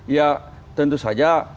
ya tentu saja